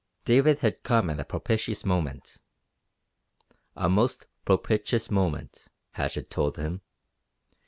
David had come at a propitious moment a "most propichus moment," Hatchett told him.